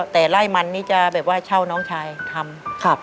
แต่ไล่มันนี่จะแบบว่าเช่าน้องชายทำ